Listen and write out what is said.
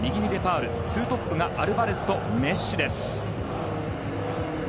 ２トップがアルバレスとメッシです。